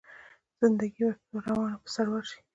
زنده ګي به يې روانه په سرور شي